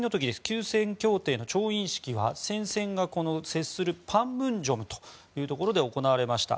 休戦協定の調印式が戦線が接するパンムンジョムというところで行われました。